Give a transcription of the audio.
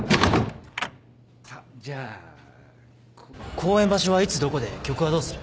公演場所はいつどこで曲はどうする？